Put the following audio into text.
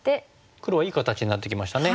黒はいい形になってきましたね。